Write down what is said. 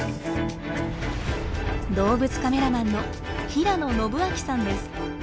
動物カメラマンの平野伸明さんです。